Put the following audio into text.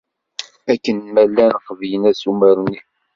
Akken ma llan qeblen assumer-nni.